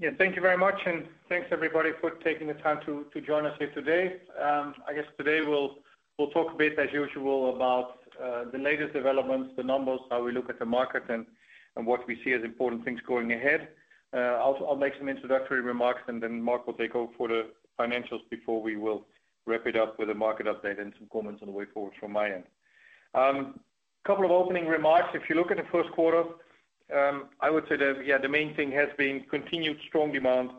Yeah, thank you very much, and thanks everybody for taking the time to join us here today. I guess today we'll talk a bit as usual about the latest developments, the numbers, how we look at the market, and what we see as important things going ahead. I'll make some introductory remarks, and then Mark will take over for the financials before we will wrap it up with a market update and some comments on the way forward from my end. A couple of opening remarks. If you look at the Q1, I would say that, yeah, the main thing has been continued strong demand,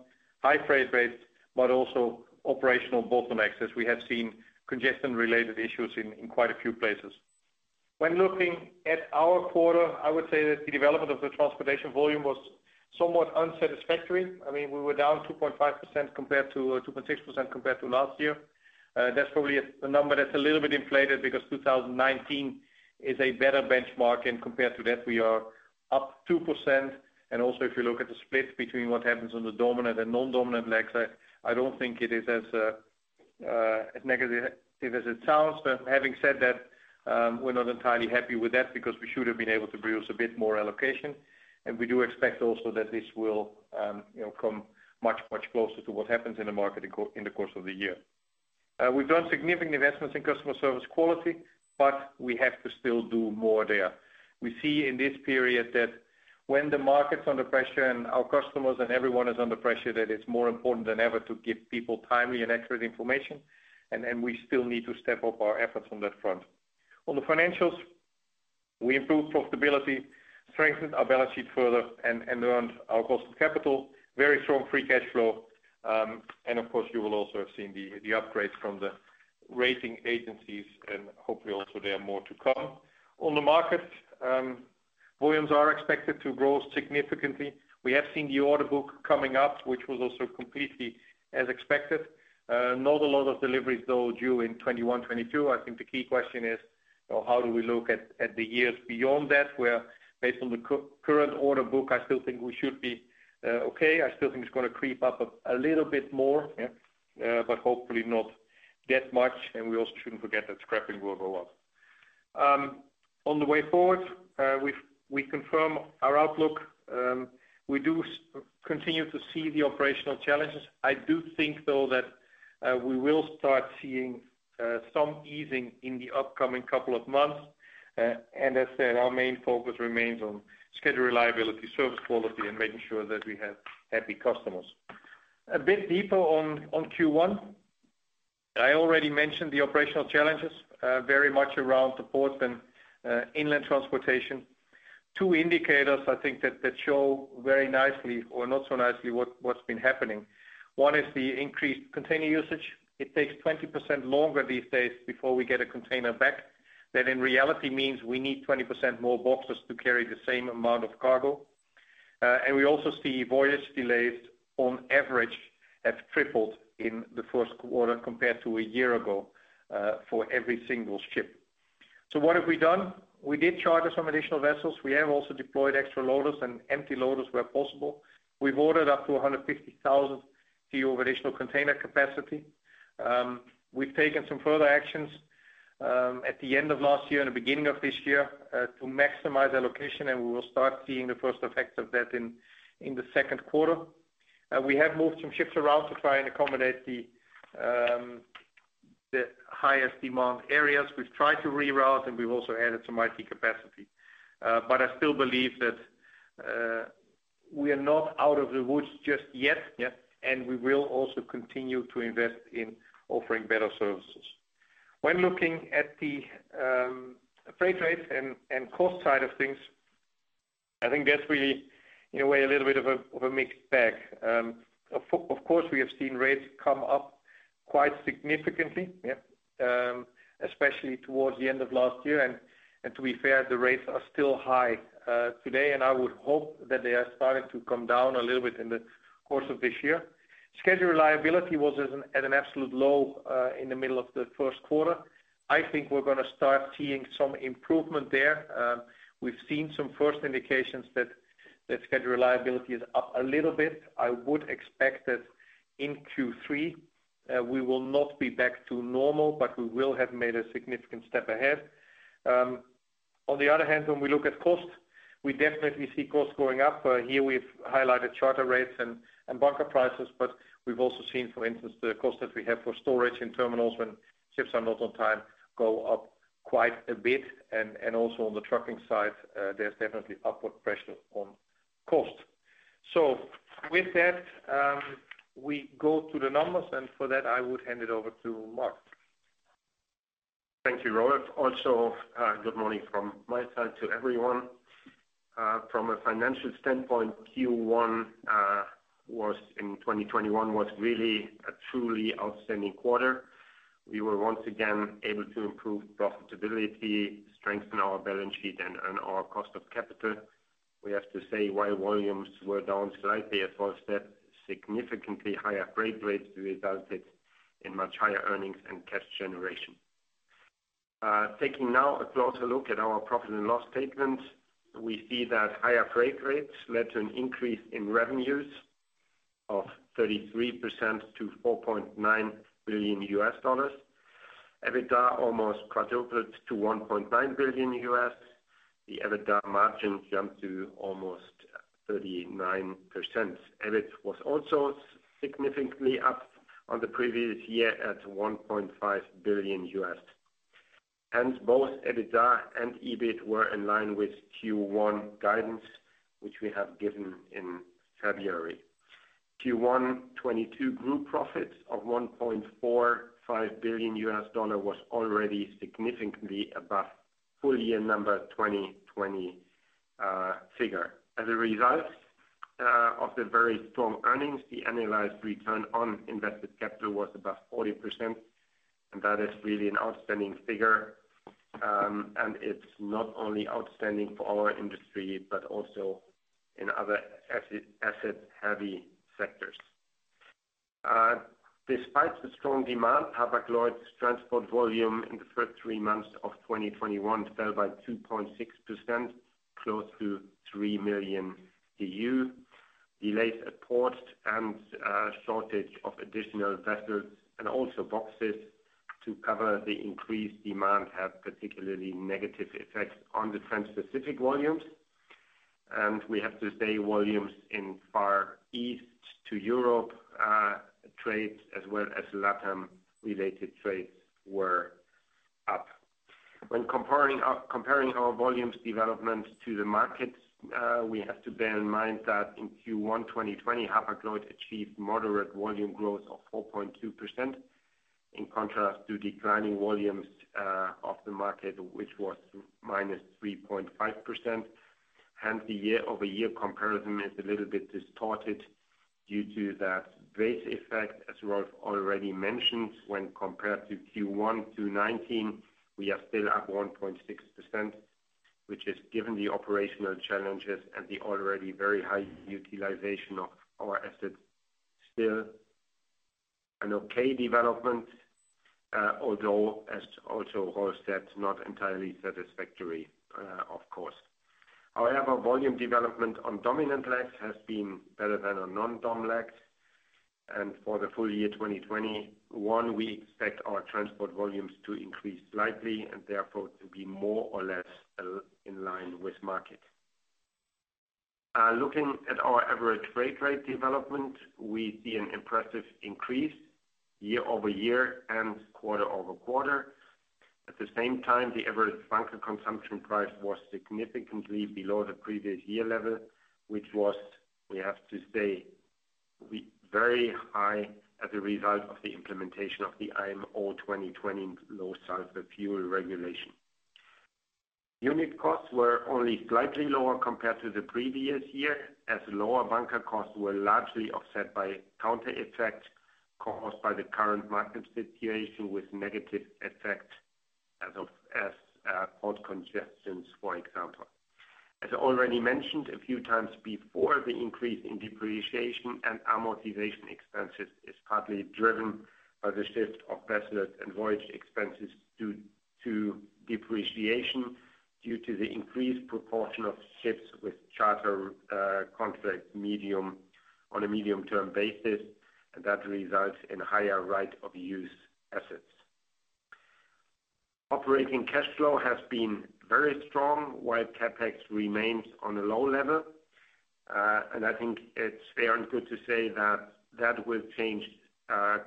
high freight rates, but also operational bottlenecks, as we have seen congestion-related issues in quite a few places. When looking at our quarter, I would say that the development of the transportation volume was somewhat unsatisfactory. We were down 2.6% compared to last year. That's probably a number that's a little bit inflated because 2019 is a better benchmark, and compared to that, we are up 2%. Also, if you look at the split between what happens on the dominant and non-dominant legs, I don't think it is as negative as it sounds. Having said that, we're not entirely happy with that because we should have been able to produce a bit more allocation. We do expect also that this will come much, much closer to what happens in the market in the course of the year. We've done significant investments in customer service quality, but we have to still do more there. We see in this period that when the market's under pressure and our customers and everyone is under pressure, that it's more important than ever to give people timely and accurate information, and we still need to step up our efforts on that front. On the financials, we improved profitability, strengthened our balance sheet further, and lowered our cost of capital. Very strong free cash flow. Of course, you will also have seen the upgrades from the rating agencies, and hopefully also there are more to come. On the market, volumes are expected to grow significantly. We have seen the order book coming up, which was also completely as expected. Not a lot of deliveries, though, due in 2021, 2022. I think the key question is how do we look at the years beyond that, where, based on the current order book, I still think we should be okay. I still think it's going to creep up a little bit more. Yeah. Hopefully not that much, and we also shouldn't forget that scrapping will go up. On the way forward, we confirm our outlook. We do continue to see the operational challenges. I do think, though, that we will start seeing some easing in the upcoming couple of months. As said, our main focus remains on schedule reliability, service quality, and making sure that we have happy customers. A bit deeper on Q1. I already mentioned the operational challenges, very much around the port and inland transportation. Two indicators, I think that show very nicely or not so nicely what's been happening. One is the increased container usage. It takes 20% longer these days before we get a container back. That in reality means we need 20% more boxes to carry the same amount of cargo. We also see voyage delays on average have tripled in the Q1 compared to a year ago, for every single ship. What have we done? We did charter some additional vessels. We have also deployed extra loaders and empty loaders where possible. We've ordered up to 150,000 TEU of additional container capacity. We've taken some further actions at the end of last year and the beginning of this year to maximize allocation, and we will start seeing the first effects of that in the Q2. We have moved some ships around to try and accommodate the highest demand areas. We've tried to reroute, and we've also added some IT capacity. I still believe that we are not out of the woods just yet, and we will also continue to invest in offering better services. When looking at the freight rates and cost side of things, I think that's really, in a way, a little bit of a mixed bag. We have seen rates come up quite significantly, especially towards the end of last year. To be fair, the rates are still high today, and I would hope that they are starting to come down a little bit in the course of this year. Schedule reliability was at an absolute low in the middle of the Q1. I think we're going to start seeing some improvement there. We've seen some first indications that schedule reliability is up a little bit. I would expect that in Q3, we will not be back to normal, but we will have made a significant step ahead. On the other hand, when we look at cost, we definitely see costs going up. Here we've highlighted charter rates and bunker prices, but we've also seen, for instance, the cost that we have for storage in terminals when ships are not on time go up quite a bit, and also on the trucking side, there's definitely upward pressure on cost. With that, we go to the numbers. For that, I would hand it over to Mark. Thank you, Roland. Good morning from my side to everyone. From a financial standpoint, Q1 in 2021 was really a truly outstanding quarter. We were once again able to improve profitability, strengthen our balance sheet, and earn our cost of capital. We have to say, while volumes were down slightly at first step, significantly higher freight rates resulted in much higher earnings and cash generation. Taking now a closer look at our profit and loss statement, we see that higher freight rates led to an increase in revenues of 33% to $4.9 billion. EBITDA almost quadrupled to $1.9 billion. The EBITDA margin jumped to almost 39%. EBIT was also significantly up on the previous year at $1.5 billion. Both EBITDA and EBIT were in line with Q1 guidance, which we have given in February. Q1 2021 group profit of EUR 1.45 billion was already significantly above full year number 2023 figure. As a result of the very strong earnings, the annualized return on invested capital was above 40%. That is really an outstanding figure. It's not only outstanding for our industry, but also in other asset-heavy sectors. Despite the strong demand, Hapag-Lloyd's transport volume in the first 3 months of 2021 fell by 2.6%, close to 3 million TEU. Delays at port and shortage of additional vessels, and also boxes to cover the increased demand, have particularly negative effects on the trans-Pacific volumes. We have to say, volumes in Far East to Europe trades as well as LATAM-related trades were up. When comparing our volumes developments to the markets, we have to bear in mind that in Q1 2023, Hapag-Lloyd achieved moderate volume growth of 4.2%, in contrast to declining volumes of the market, which was -3.5%. Hence, the year-over-year comparison is a little bit distorted due to that base effect, as Rolf already mentioned. When compared to Q1 2019, we are still up 1.6%, which has given the operational challenges and the already very high utilization of our assets, still an okay development. Although, as also Rolf said, not entirely satisfactory of course. However, volume development on dominant legs has been better than on non-dom legs. For the full year 2021, we expect our transport volumes to increase slightly and therefore to be more or less in line with market. Looking at our average freight rate development, we see an impressive increase year-over-year and quarter-over-quarter. At the same time, the average bunker consumption price was significantly below the previous year level, which was, we have to say, very high as a result of the implementation of the IMO 2023 low sulfur fuel regulation. Unit costs were only slightly lower compared to the previous year, as lower bunker costs were largely offset by counter-effect caused by the current market situation with negative effect as port congestions, for example. As already mentioned a few times before, the increase in depreciation and amortization expenses is partly driven by the shift of vessels and voyage expenses due to depreciation, due to the increased proportion of ships with charter contracts on a medium-term basis, and that results in higher right-of-use assets. Operating cash flow has been very strong, while CapEx remains on a low level. I think it's fair and good to say that that will change,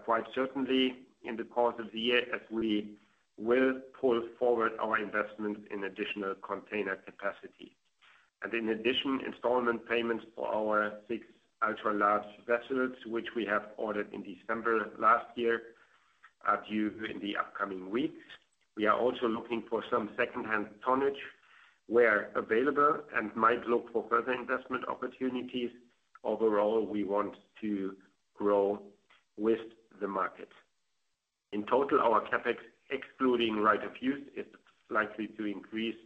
quite certainly, in the course of the year as we will pull forward our investment in additional container capacity. In addition, installment payments for our 6 ultra-large vessels, which we have ordered in December last year, are due in the upcoming weeks. We are also looking for some secondhand tonnage where available, and might look for further investment opportunities. Overall, we want to grow with the market. In total, our CapEx, excluding right-of-use, is likely to increase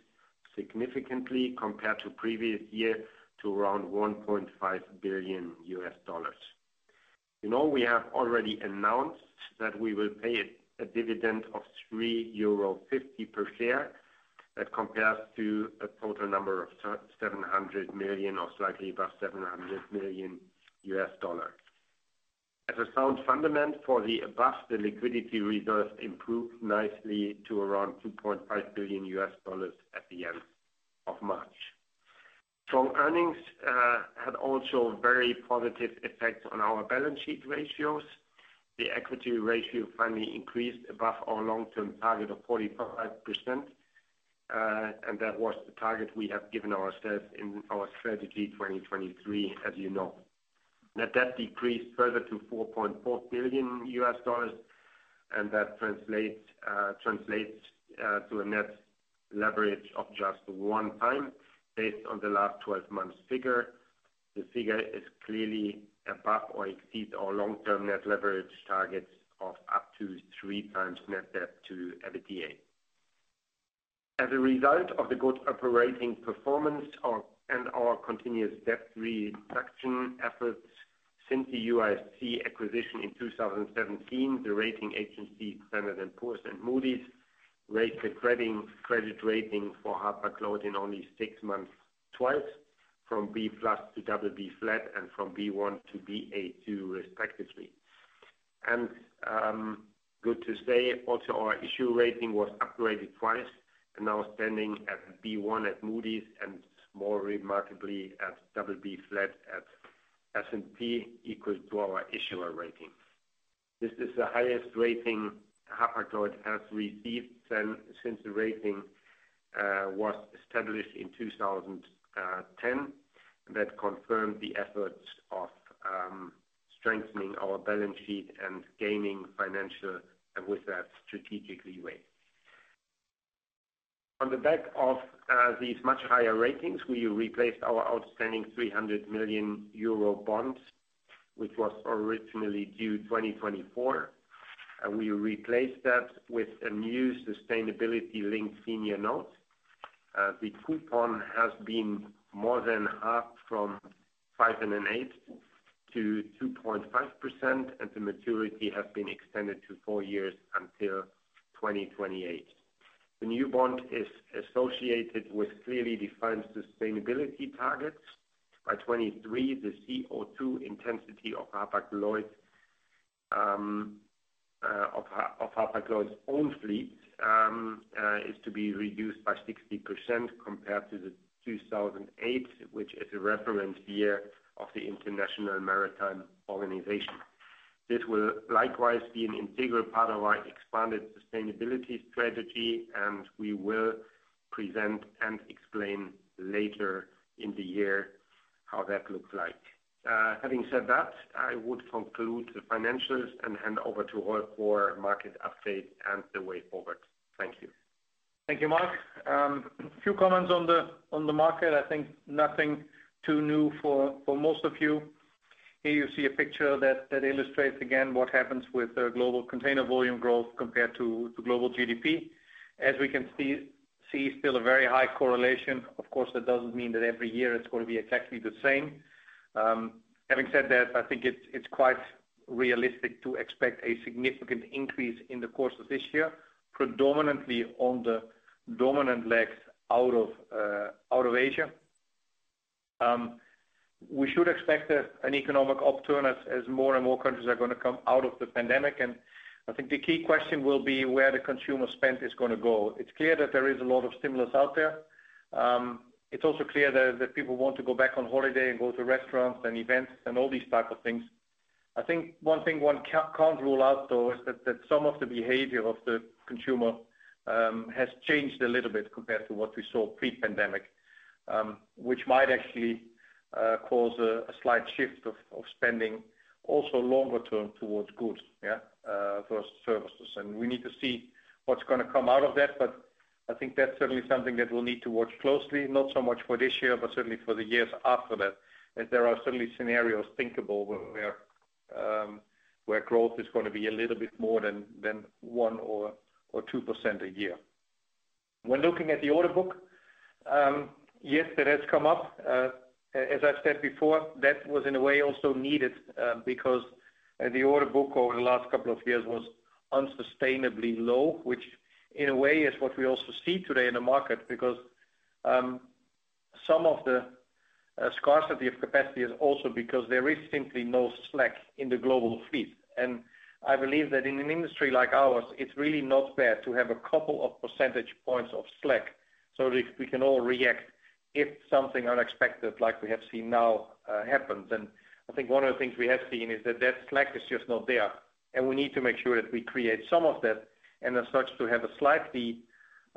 significantly compared to previous year to around $1.5 billion. You know we have already announced that we will pay a dividend of €3.50 per share. That compares to a total number of €700 million or slightly above $700 million. As a sound fundament for the above, the liquidity reserve improved nicely to around $2.5 billion US at the end of March. Strong earnings had also very positive effects on our balance sheet ratios. The equity ratio finally increased above our long-term target of 45%, and that was the target we have given ourselves in our Strategy 2023, as you know. Net debt decreased further to $4.4 billion US, and that translates to a net leverage of just one time based on the last 12 months figure. The figure is clearly above or exceeds our long-term net leverage targets of up to three times net debt to EBITDA. As a result of the good operating performance and our continuous debt reduction efforts since the UASC acquisition in 2017, the rating agency Standard & Poor's and Moody's rated the credit rating for Hapag-Lloyd in only 6 months, twice from B+ to BB flat and from B1 to Ba2 respectively. Good to say also our issue rating was upgraded twice and now standing at B1 at Moody's and more remarkably at BB flat at S&P equal to our issuer rating. This is the highest rating Hapag-Lloyd has received since the rating was established in 2010. That confirmed the efforts of strengthening our balance sheet and gaining financial, and with that strategic leeway. On the back of these much higher ratings, we replaced our outstanding €300 million bonds, which was originally due 2024. We replaced that with a new sustainability-linked senior note. The coupon has been more than halved from 5.8% to 2.5%, and the maturity has been extended to 4 years until 2028. The new bond is associated with clearly defined sustainability targets. By 2023, the CO2 intensity of Hapag-Lloyd's own fleet is to be reduced by 60% compared to the 2008, which is a reference year of the International Maritime Organization. This will likewise be an integral part of our expanded sustainability strategy, and we will present and explain later in the year how that looks like. Having said that, I would conclude the financials and hand over to Rolf for market update and the way forward. Thank you. Thank you, Mark. A few comments on the market. I think nothing too new for most of you. Here you see a picture that illustrates again what happens with the global container volume growth compared to global GDP. As we can see, still a very high correlation. Of course, that doesn't mean that every year it's going to be exactly the same. Having said that, I think it's quite realistic to expect a significant increase in the course of this year, predominantly on the dominant legs out of Asia. We should expect an economic upturn as more and more countries are going to come out of the pandemic. I think the key question will be where the consumer spend is going to go. It's clear that there is a lot of stimulus out there. It's also clear that people want to go back on holiday and go to restaurants and events and all these type of things. I think one thing one can't rule out, though, is that some of the behavior of the consumer has changed a little bit compared to what we saw pre-pandemic which might actually cause a slight shift of spending, also longer term towards goods, versus services. We need to see what's going to come out of that. I think that's certainly something that we'll need to watch closely, not so much for this year, but certainly for the years after that, as there are certainly scenarios thinkable where growth is going to be a little bit more than one or 2% a year. When looking at the order book, yes, that has come up. As I said before, that was in a way also needed because the order book over the last couple of years was unsustainably low, which in a way is what we also see today in the market, because some of the scarcity of capacity is also because there is simply no slack in the global fleet. I believe that in an industry like ours, it's really not bad to have a couple of percentage points of slack so we can all react if something unexpected like we have seen now happens. I think one of the things we have seen is that that slack is just not there, and we need to make sure that we create some of that and as such to have a slightly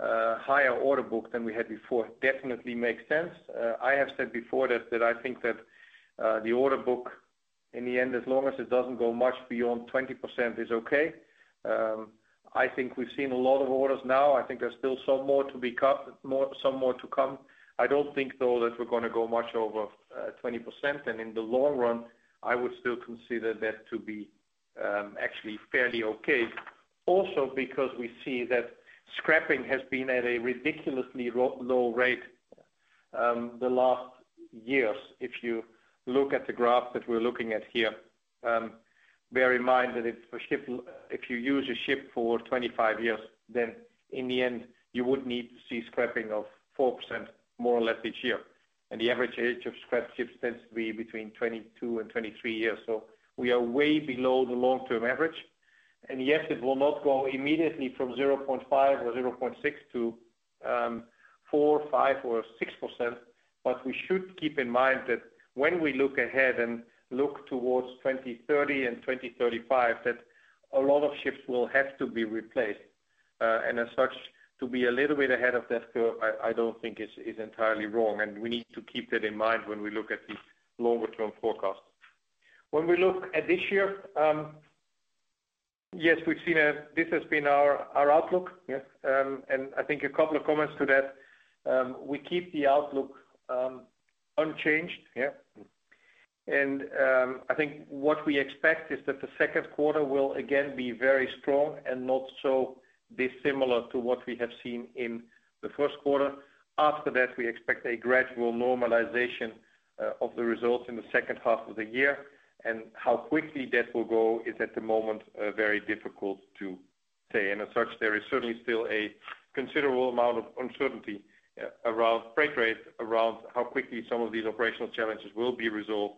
higher order book than we had before definitely makes sense. I have said before that I think that the order book in the end, as long as it doesn't go much beyond 20%, is okay. I think we've seen a lot of orders now. I think there's still some more to come. I don't think, though, that we're going to go much over 20%. In the long run, I would still consider that to be actually fairly okay. Also because we see that scrapping has been at a ridiculously low rate the last years. If you look at the graph that we're looking at here, bear in mind that if you use a ship for 25 years, then in the end you would need to see scrapping of 4%, more or less each year. The average age of scrap ships tends to be between 22 and 23 years. We are way below the long-term average. Yes, it will not go immediately from 0.5% or 0.6% to 4%, 5% or 6%. We should keep in mind that when we look ahead and look towards 2030 and 2035, that a lot of ships will have to be replaced. As such, to be a little bit ahead of that curve, I don't think is entirely wrong. We need to keep that in mind when we look at these longer-term forecasts. When we look at this year, yes, this has been our outlook. I think a couple of comments to that. We keep the outlook unchanged. I think what we expect is that the Q2 will again be very strong and not so dissimilar to what we have seen in the Q1. After that, we expect a gradual normalization of the results in the H2 of the year, how quickly that will go is at the moment very difficult to say. As such, there is certainly still a considerable amount of uncertainty around freight rates, around how quickly some of these operational challenges will be resolved.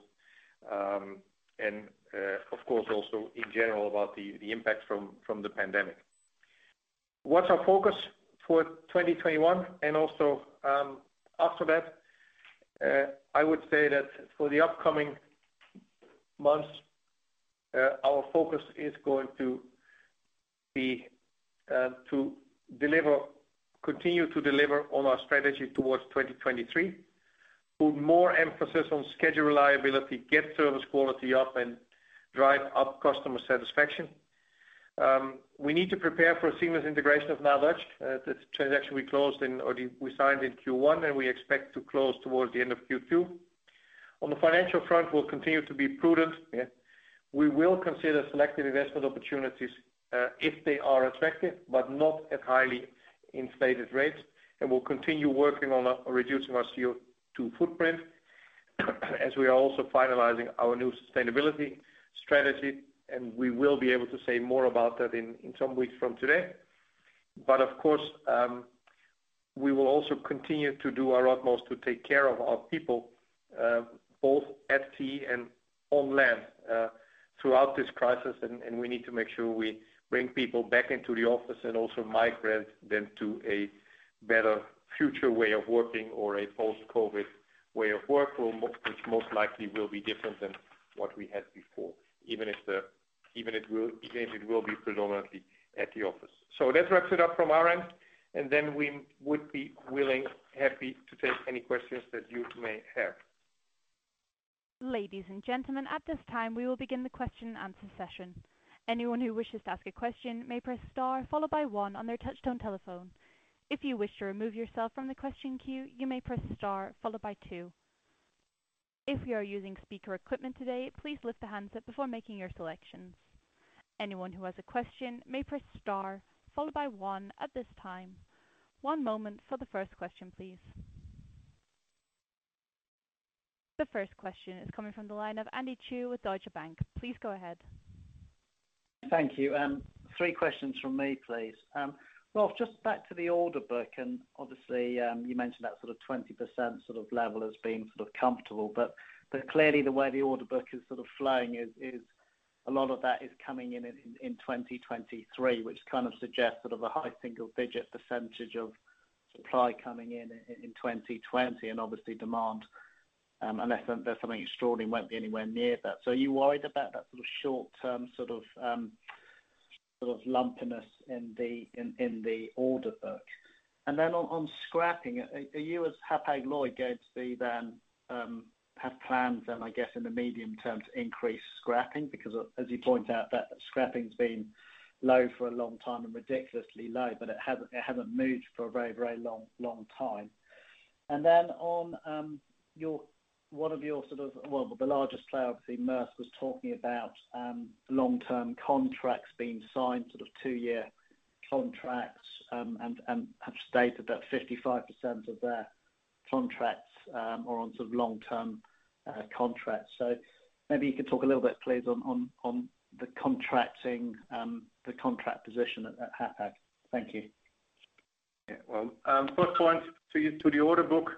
Of course also in general about the impact from the pandemic. What's our focus for 2021 and also after that? I would say that for the upcoming months, our focus is going to continue to deliver on our Strategy 2023. Put more emphasis on schedule reliability, get service quality up, and drive up customer satisfaction. We need to prepare for a seamless integration of NileDutch. That's a transaction we signed in Q1, we expect to close towards the end of Q2. On the financial front, we'll continue to be prudent. We will consider selective investment opportunities, if they are attractive, but not at highly inflated rates. We'll continue working on reducing our CO2 footprint as we are also finalizing our new sustainability strategy, and we will be able to say more about that in some weeks from today. Of course, we will also continue to do our utmost to take care of our people, both at sea and on land, throughout this crisis. We need to make sure we bring people back into the office and also migrate them to a better future way of working or a post-COVID way of work, which most likely will be different than what we had before. Even if it will be predominantly at the office. That wraps it up from our end, we would be happy to take any questions that you may have. The first question is coming from the line of Andy Chu with Deutsche Bank. Please go ahead. Thank you. Three questions from me, please. Rolf, just back to the order book. Obviously, you mentioned that 20% level as being comfortable. Clearly the way the order book is flowing is a lot of that is coming in in 2023, which suggests a high single-digit percentage of supply coming in in 2020. Obviously demand, unless there's something extraordinary, won't be anywhere near that. Are you worried about that short-term lumpiness in the order book? Then on scrapping, are you as Hapag-Lloyd going to have plans in the medium term to increase scrapping? As you point out, that scrapping's been low for a long time and ridiculously low, but it hasn't moved for a very long time. On the largest player, obviously Maersk was talking about long-term contracts being signed, two-year contracts, and have stated that 55% of their contracts are on long-term contracts. Maybe you could talk a little bit, please, on the contract position at Hapag-Lloyd. Thank you. Well, first point to the order book.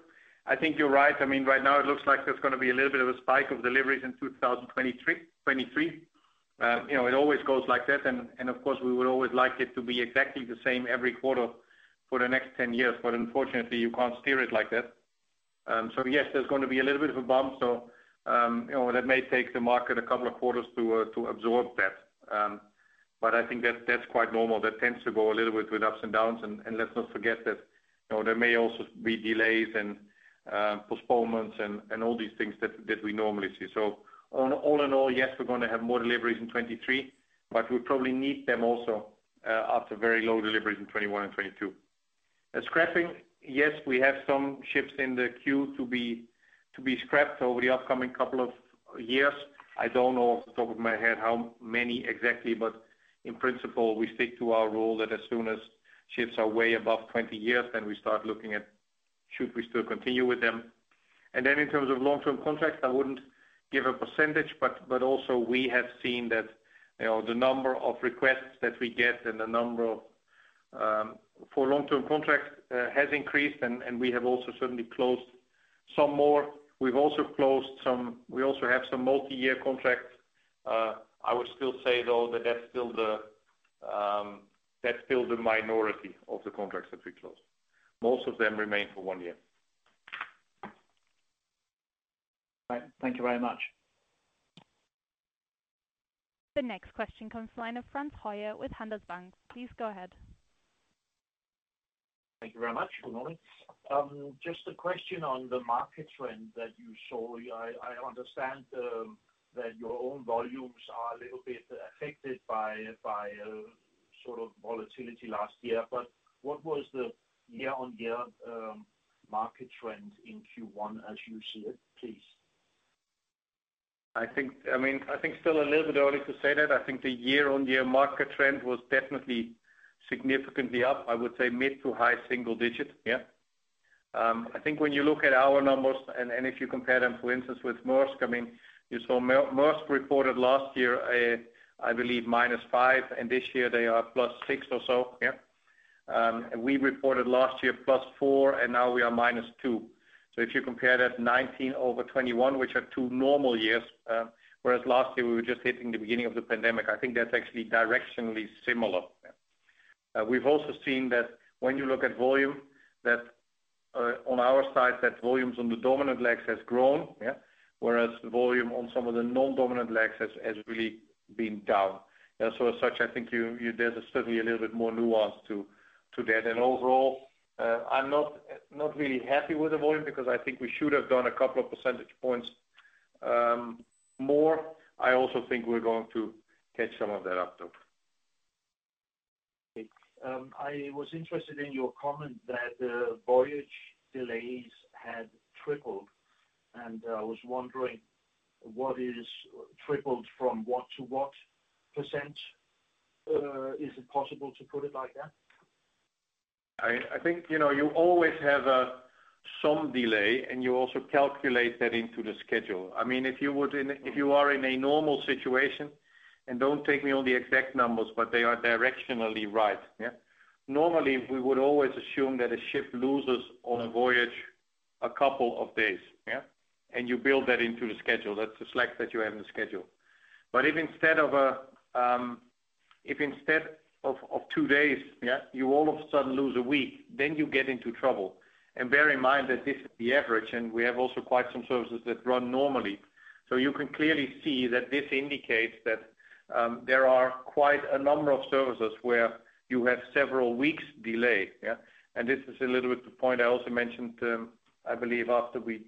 I think you're right. Right now it looks like there's going to be a little bit of a spike of deliveries in 2023. It always goes like that. Of course we would always like it to be exactly the same every quarter for the next 10 years. Unfortunately, you can't steer it like that. Yes, there's going to be a little bit of a bump. That may take the market a couple of quarters to absorb that. I think that's quite normal. That tends to go a little bit with ups and downs. Let's not forget that there may also be delays and postponements and all these things that we normally see. All in all, yes, we're going to have more deliveries in 2023, but we probably need them also, after very low deliveries in 2021 and 2022. Scrapping, yes, we have some ships in the queue to be scrapped over the upcoming couple of years. I don't know off the top of my head how many exactly, but in principle, we stick to our rule that as soon as ships are way above 20 years, then we start looking at should we still continue with them. In terms of long-term contracts, I wouldn't give a percentage, but also we have seen that the number of requests that we get and the number for long-term contracts has increased, and we have also certainly closed some more. We also have some multi-year contracts. I would still say, though, that that's still the minority of the contracts that we close. Most of them remain for one year. Right. Thank you very much. The next question comes from the line of Frans Høyer with Handelsbanken. Please go ahead. Thank you very much. Good morning. Just a question on the market trend that you saw. I understand that your own volumes are a little bit affected by volatility last year, but what was the year-on-year market trend in Q1 as you see it, please? I think it's still a little bit early to say that. I think the year-on-year market trend was definitely significantly up. I would say mid to high single digit. I think when you look at our numbers and if you compare them, for instance, with Maersk, you saw Maersk reported last year, I believe, -5, and this year they are +6 or so. We reported last year +4, and now we are -2. If you compare that 2019 over 2021, which are two normal years, whereas last year we were just hitting the beginning of the pandemic, I think that's actually directionally similar. We've also seen that when you look at volume, that on our side, that volumes on the dominant legs has grown, whereas volume on some of the non-dominant legs has really been down. As such, I think there's certainly a little bit more nuance to that. Overall, I'm not really happy with the volume because I think we should have done a couple of percentage points more. I also think we're going to catch some of that up though. I was interested in your comment that voyage delays had tripled. I was wondering what is tripled from what to what %? Is it possible to put it like that? I think you always have some delay, and you also calculate that into the schedule. If you are in a normal situation, and don't take me on the exact numbers, but they are directionally right. Normally, we would always assume that a ship loses on a voyage a couple of days. You build that into the schedule. That's the slack that you have in the schedule. If instead of two days, you all of a sudden lose a week, then you get into trouble. Bear in mind that this is the average, and we have also quite some services that run normally. You can clearly see that this indicates that there are quite a number of services where you have several weeks delay. This is a little bit the point I also mentioned, I believe, after we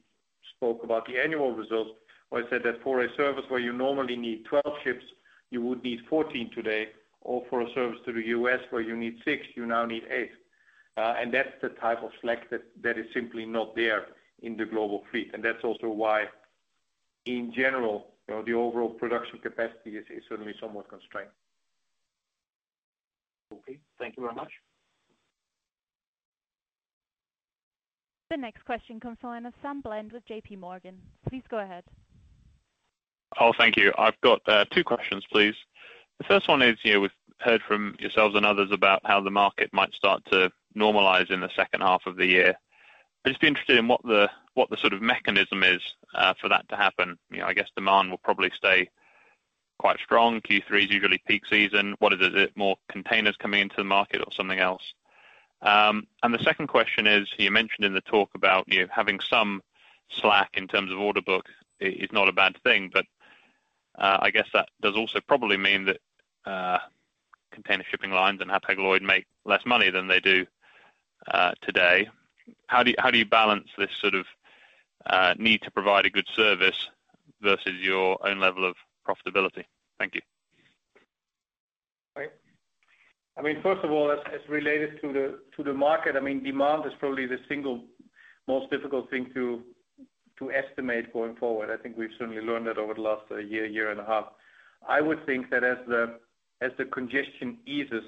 spoke about the annual results. Where I said that for a service where you normally need 12 ships, you would need 14 today, or for a service to the U.S. where you need six, you now need eight. That's the type of slack that is simply not there in the global fleet. That's also why, in general, the overall production capacity is certainly somewhat constrained. Okay. Thank you very much. The next question comes from the line of Samuel Bland with JPMorgan. Please go ahead. Oh, thank you. I've got two questions, please. The first one is, we've heard from yourselves and others about how the market might start to normalize in the H2 of the year. I'd just be interested in what the sort of mechanism is for that to happen. I guess demand will probably stay quite strong. Q3 is usually peak season. What is it? Is it more containers coming into the market or something else? The second question is, you mentioned in the talk about you having some slack in terms of order book is not a bad thing, but I guess that does also probably mean that container shipping lines and Hapag-Lloyd make less money than they do today. How do you balance this sort of need to provide a good service versus your own level of profitability? Thank you. Right. First of all, as related to the market, demand is probably the single most difficult thing to estimate going forward. I think we've certainly learned that over the last year and a half. I would think that as the congestion eases,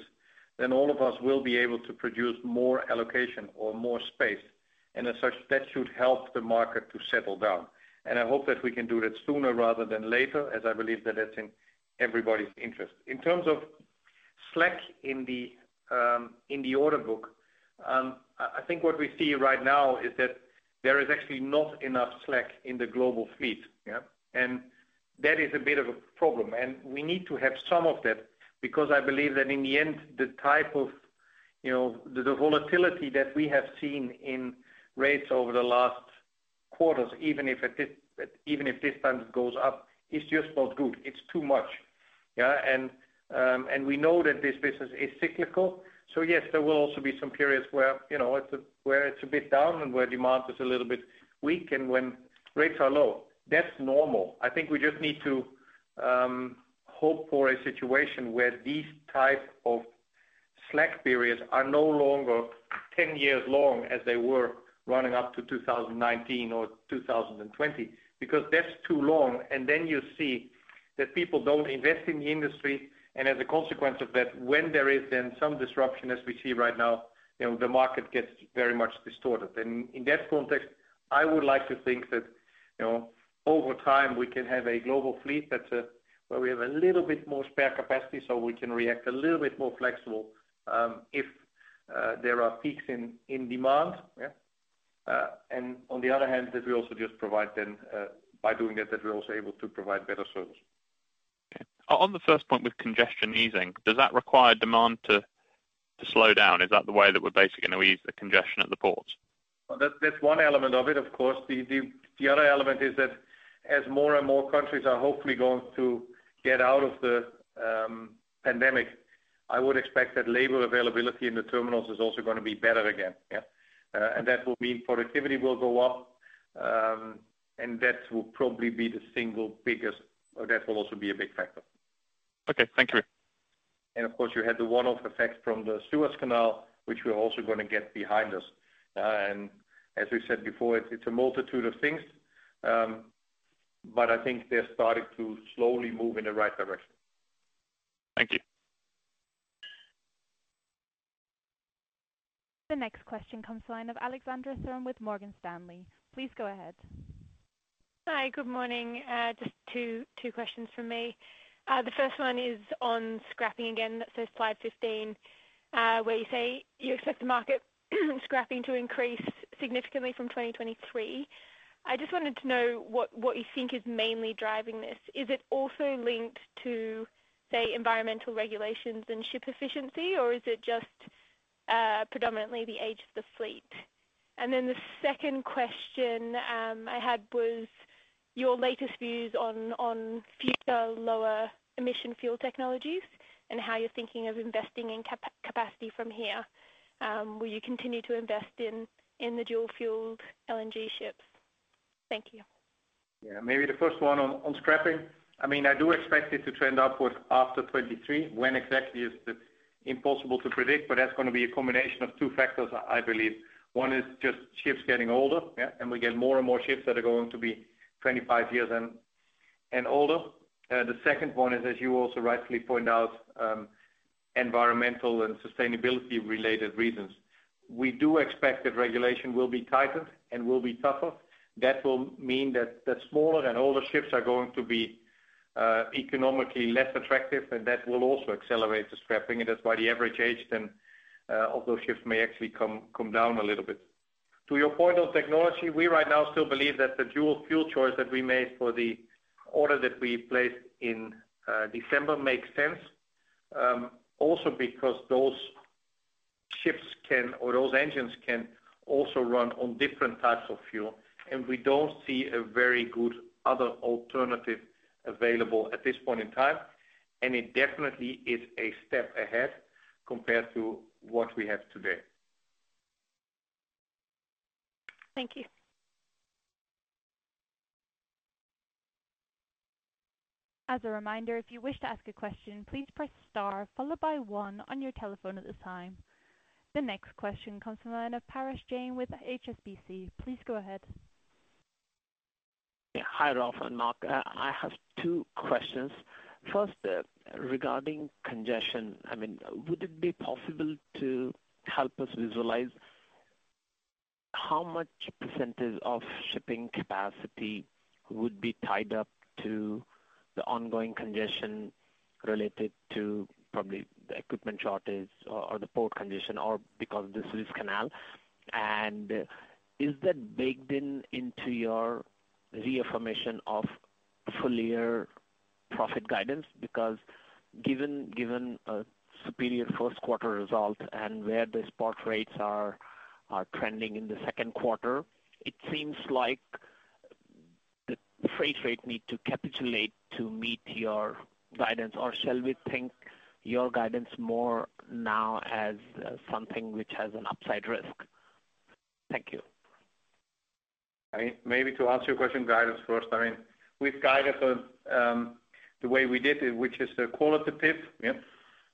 then all of us will be able to produce more allocation or more space, and as such, that should help the market to settle down. I hope that we can do that sooner rather than later, as I believe that that's in everybody's interest. In terms of slack in the order book, I think what we see right now is that there is actually not enough slack in the global fleet. That is a bit of a problem, and we need to have some of that because I believe that in the end, the volatility that we have seen in rates over the last quarters, even if this time it goes up, is just not good. It's too much. We know that this business is cyclical. Yes, there will also be some periods where it's a bit down and where demand is a little bit weak and when rates are low. That's normal. I think we just need to hope for a situation where these type of slack periods are no longer 10 years long as they were running up to 2019 or 2020, because that's too long, and then you see that people don't invest in the industry. As a consequence of that, when there is then some disruption as we see right now, the market gets very much distorted. In that context, I would like to think that over time, we can have a global fleet where we have a little bit more spare capacity so we can react a little bit more flexible if there are peaks in demand. On the other hand, that we also just provide then, by doing that we're also able to provide better service. On the first point with congestion easing, does that require demand to slow down? Is that the way that we're basically going to ease the congestion at the ports? That's one element of it, of course. The other element is that as more and more countries are hopefully going to get out of the pandemic, I would expect that labor availability in the terminals is also going to be better again. That will mean productivity will go up, and that will probably be the single biggest, or that will also be a big factor. Okay. Thank you. Of course, you had the one-off effect from the Suez Canal, which we're also going to get behind us. As we said before, it's a multitude of things, but I think they're starting to slowly move in the right direction. Thank you. The next question comes to the line of Alexandra von Koss with Morgan Stanley. Please go ahead. Hi, good morning. Just two questions from me. The first one is on scrapping again. Slide 15, where you say you expect the market scrapping to increase significantly from 2023. I just wanted to know what you think is mainly driving this. Is it also linked to, say, environmental regulations and ship efficiency, or is it just predominantly the age of the fleet? The second question I had was your latest views on future lower emission fuel technologies and how you're thinking of investing in capacity from here. Will you continue to invest in the dual-fuel LNG ships? Thank you. Yeah. Maybe the first one on scrapping. I do expect it to trend upward after 2023. When exactly is impossible to predict, but that's going to be a combination of two factors, I believe. One is just ships getting older. Yeah. We get more and more ships that are going to be 25 years and older. The second one is, as you also rightfully point out, environmental and sustainability-related reasons. We do expect that regulation will be tightened and will be tougher. That will mean that smaller and older ships are going to be economically less attractive, and that will also accelerate the scrapping, and that's why the average age then of those ships may actually come down a little bit. To your point on technology, we right now still believe that the dual-fuel choice that we made for the order that we placed in December makes sense. Because those ships can, or those engines can also run on different types of fuel, and we don't see a very good other alternative available at this point in time. It definitely is a step ahead compared to what we have today. Thank you. The next question comes from the line of Parash Jain with HSBC. Please go ahead. Hi, Rolf and Mark. I have two questions. First, regarding congestion, would it be possible to help us visualize how much % of shipping capacity would be tied up to the ongoing congestion related to probably the equipment shortage or the port congestion or because of the Suez Canal? Is that baked in into your reaffirmation of full-year profit guidance? Given a superior Q1 result and where the spot rates are trending in the Q2, it seems like the freight rate need to capitulate to meet your guidance. Shall we think your guidance more now as something which has an upside risk? Thank you. Maybe to answer your question, guidance first. We've guided the way we did, which is qualitative.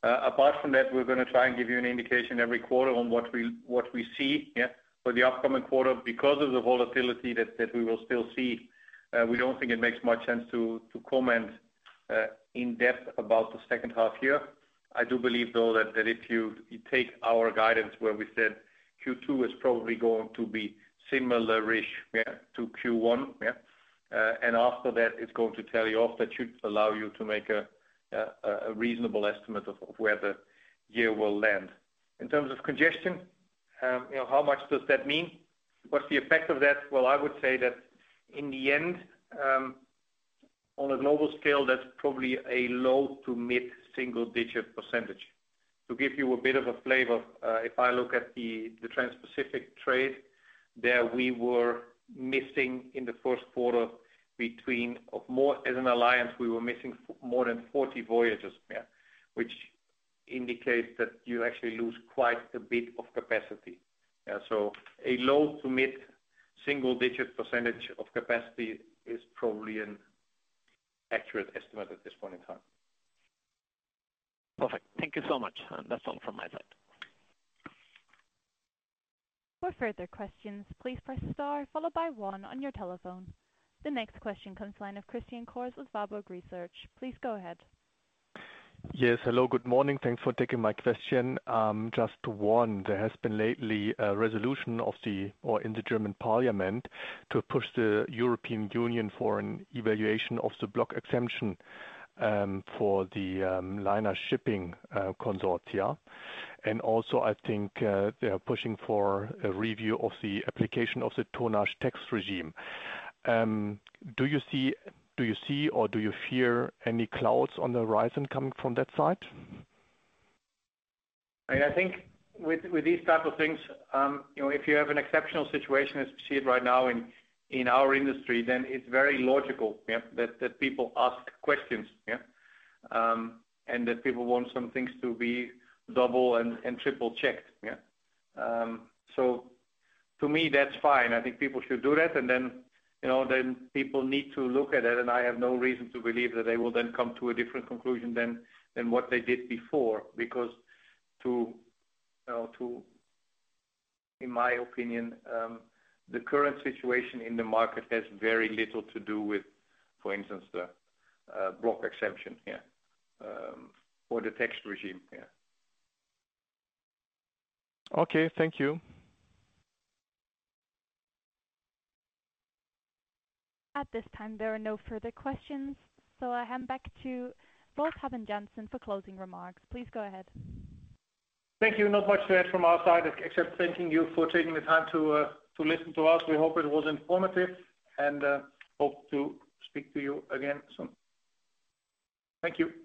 Apart from that, we're going to try and give you an indication every quarter on what we see. For the upcoming quarter, because of the volatility that we will still see, we don't think it makes much sense to comment in depth about the H2 year. I do believe, though, that if you take our guidance where we said Q2 is probably going to be similar-ish to Q1. After that, it's going to tail off. That should allow you to make a reasonable estimate of where the year will land. In terms of congestion, how much does that mean? What's the effect of that? Well, I would say that in the end, on a global scale, that's probably a low to mid single digit %. To give you a bit of a flavor, if I look at the Transpacific trade, there we were missing in the first quarter, as an alliance, we were missing more than 40 voyages. Yeah. Which indicates that you actually lose quite a bit of capacity. A low to mid single-digit % of capacity is probably an accurate estimate at this point in time. Perfect. Thank you so much. That's all from my side. The next question comes to the line of Christian Cohrs with Warburg Research. Please go ahead. Yes, hello. Good morning. Thanks for taking my question. Just to warn, there has been lately a resolution in the German parliament to push the European Union for an evaluation of the block exemption for the liner shipping consortia. Also, I think they are pushing for a review of the application of the tonnage tax regime. Do you see or do you fear any clouds on the horizon coming from that side? I think with these type of things, if you have an exceptional situation as we see it right now in our industry, then it's very logical that people ask questions. That people want some things to be double and triple checked. To me, that's fine. I think people should do that, and then people need to look at it, and I have no reason to believe that they will then come to a different conclusion than what they did before. In my opinion, the current situation in the market has very little to do with, for instance, the Block Exemption. The tax regime. Okay. Thank you. At this time, there are no further questions. I hand back to both Rolf Habben Jansen for closing remarks. Please go ahead. Thank you. Not much to add from our side except thanking you for taking the time to listen to us. We hope it was informative, and hope to speak to you again soon. Thank you.